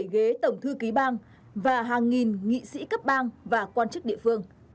hai mươi bảy ghế tổng thư ký bang và hàng nghìn nghị sĩ cấp bang và quan chức địa phương